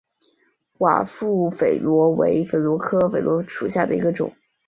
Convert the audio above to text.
寡妇榧螺为榧螺科榧螺属下的一个种。